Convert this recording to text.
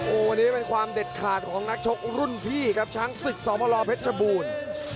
วันนี้เป็นความเด็ดขาดของนักชกรุ่นพี่ครับช้างศึกสบลเพชรชบูรณ์